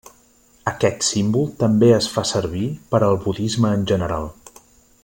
Aquest símbol també es fa servir per al budisme en general.